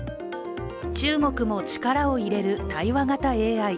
中国も力を入れる対話型ＡＩ。